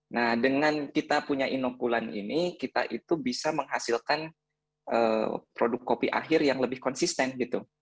nah dengan kita punya inokulan ini kita itu bisa menghasilkan produk kopi akhir yang lebih konsisten gitu